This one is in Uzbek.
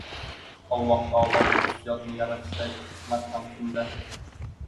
Alloh taolo bu hissiyotni yaratishidagi hikmat ham shunda.